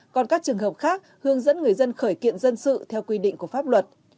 còn các trường hợp khác hướng dẫn người dân khởi kiện dân sự theo quy định của pháp luật